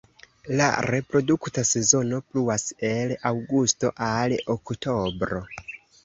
La reprodukta sezono pluas el aŭgusto al oktobro.